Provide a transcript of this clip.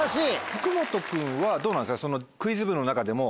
福本君はどうなんですか？